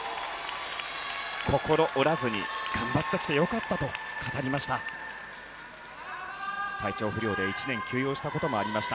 心折らずに頑張ってきて良かったと語りました。